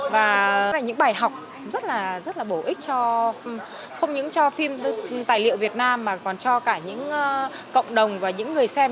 và đó là những bài học rất là bổ ích cho không những cho phim tài liệu việt nam mà còn cho cả những cộng đồng và những người xem